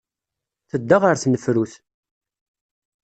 Tedda ɣer tnefrut.